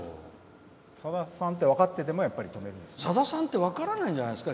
さださんってさださんって分からないんじゃないですか。